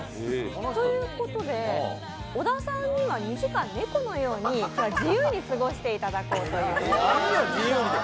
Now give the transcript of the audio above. ということで小田さんには２時間猫のように自由に過ごしていただこうと思います。